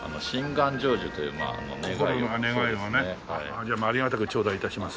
じゃあありがたくちょうだい致します。